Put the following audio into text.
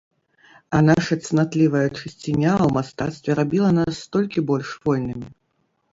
А наша цнатлівая чысціня ў мастацтве рабіла нас толькі больш вольнымі.